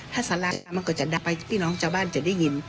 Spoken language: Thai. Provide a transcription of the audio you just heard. ถ้าสละมันก็จะเดินไปพี่น้องเจ้าบ้านจะได้ยิน